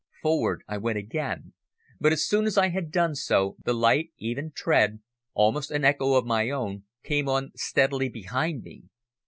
Forward I went again, but as soon as I had done so the light, even tread, almost an echo of my own, came on steadily behind me.